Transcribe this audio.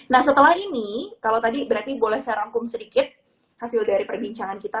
nah setelah ini kalau tadi berarti boleh saya rangkum sedikit hasil dari perbincangan kita